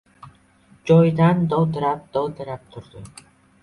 Joyidan dovdirab-dovdirab turdi.